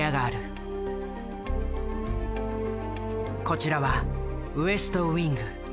こちらはウエストウィング。